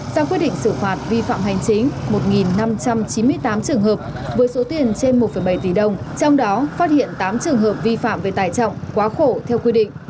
ra quyết định xử phạt vi phạm hành chính một năm trăm chín mươi tám trường hợp với số tiền trên một bảy tỷ đồng trong đó phát hiện tám trường hợp vi phạm về tài trọng quá khổ theo quy định